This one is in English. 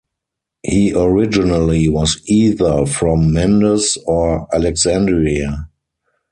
He originally was either from Mendes or Alexandria.